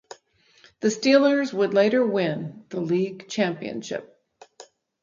The Steelers would later win the league championship.